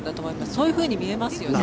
そういうふうに見えますよね。